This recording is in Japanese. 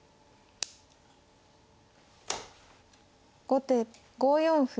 後手５四歩。